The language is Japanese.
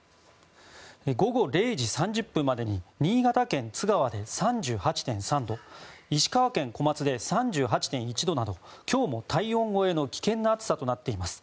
午後０時３０分までに新潟県津川で３８．３度石川県小松で３８．１度など今日も体温超えの危険な暑さとなっています。